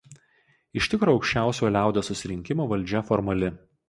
Iš tikro Aukščiausiojo liaudies susirinkimo valdžia formali.